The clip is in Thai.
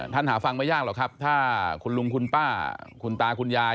หาฟังไม่ยากหรอกครับถ้าคุณลุงคุณป้าคุณตาคุณยาย